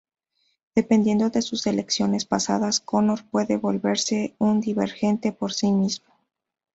Dependiendo de sus elecciones pasadas, Connor puede volverse un divergente por sí mismo.